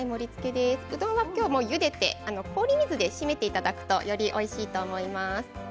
うどんは、もうゆでて氷水で締めていただくとよりおいしいと思います。